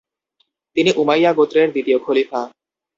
তিনি উমাইয়া গোত্রের দ্বিতীয় খলিফা।